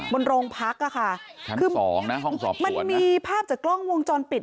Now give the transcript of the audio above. บนโรงพักอ่ะค่ะชั้นสองนะห้องสอบมันมีภาพจากกล้องวงจรปิด